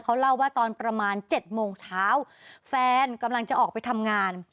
เขาเล่าว่าตอนประมาณ๗โมงเช้าแฟนกำลังจะออกไปทำงาน